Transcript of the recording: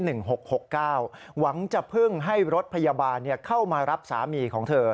หวังจะพึ่งให้รถพยาบาลเข้ามารับสามีของเธอ